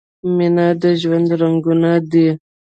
مینه د ژوند رنګونه دي.